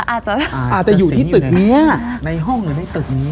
อาจจะอยู่ที่ตึกนี้ในห้องหรือในตึกนี้